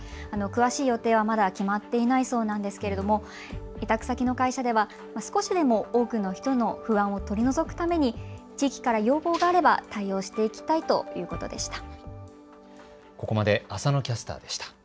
詳しい予定はまだ決まっていないそうなんですけれども、委託先の会社では少しでも多くの人の不安を取り除くために地域から要望があれば対応していきたいということでした。